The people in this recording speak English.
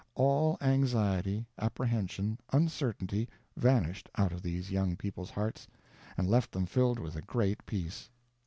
All anxiety, apprehension, uncertainty, vanished out of these young people's hearts and left them filled with a great peace.